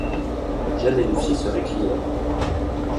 Jeanne et Lucie se récrièrent.